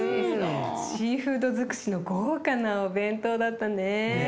シーフード尽くしの豪華なお弁当だったね。